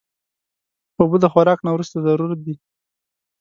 اوبه د خوراک نه وروسته ضرور دي.